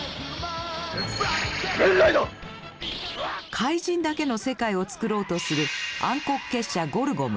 怪人だけの世界を作ろうとする暗黒結社ゴルゴム。